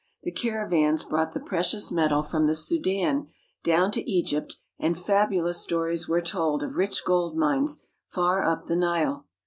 The caravans brought the precious metal from the Sudan down to Egypt, and fabu lous stories were told of rich gold mines far up the Nile.